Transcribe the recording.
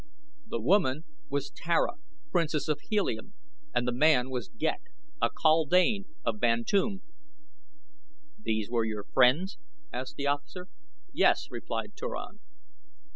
"The woman was Tara, Princess of Helium, and the man was Ghek, a kaldane, of Bantoom." "These were your friends?" asked the officer. "Yes," replied Turan.